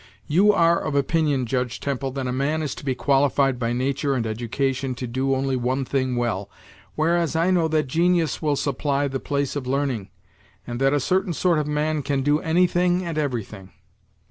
"You are of opinion, Judge Temple, that a man is to be qualified by nature and education to do only one thing well, whereas I know that genius will supply the place of learning, and that a certain sort of man can do anything and everything."